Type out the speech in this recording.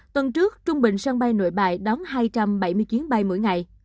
tuần trước trung bình sân bay nội bài đón hai trăm bảy mươi chuyến bay mỗi ngày